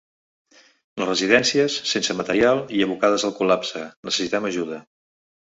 Les residències, sense material i abocades al col·lapse: ‘necessitem ajuda’